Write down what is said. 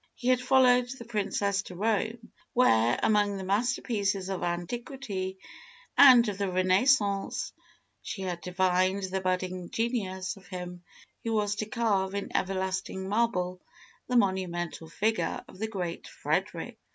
He had followed the princess to Rome, where, among the masterpieces of antiquity and of the Renaissance, she had divined the budding genius of him who was to carve in everlasting marble the monumental figure of the great Frederick.